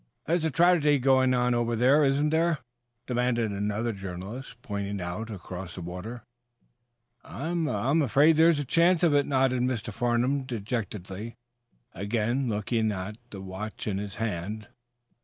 "There's a tragedy going on over there, isn't there?" demanded another journalist, pointing out across the water. "I I'm afraid there is a chance of it," nodded Mr. Farnum, dejectedly, again looking at the watch in his hand.